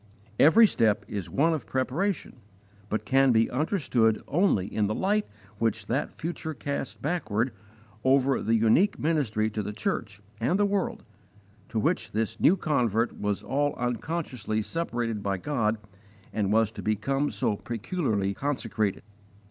Every step is one of preparation, but can be understood only in the light which that future casts backward over the unique ministry to the church and the world, to which this new convert was all unconsciously separated by God and was to become so peculiarly consecrated.